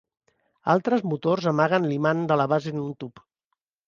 Altres motors amaguen l'imant de la base en un tub.